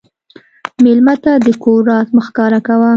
مېلمه ته د کور راز مه ښکاره کوه.